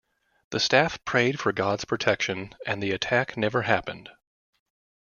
The staff prayed for God's protection, and the attack never happened.